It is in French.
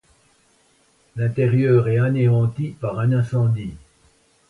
L'intérieur est anéanti par un incendie.